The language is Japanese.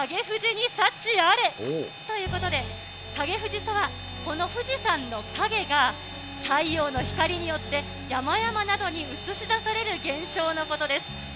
富士に幸あれということで、影富士とは、この富士山の影が、太陽の光によって、山々などに映し出される現象のことです。